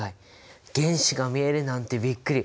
原子が見えるなんてびっくり！